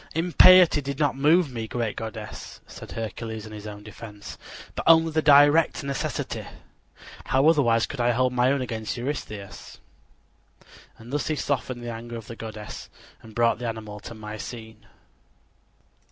"Impiety did not move me, great goddess," said Hercules in his own defense, "but only the direst necessity. How otherwise could I hold my own against Eurystheus?" And thus he softened the anger of the goddess and brought the animal to Mycene.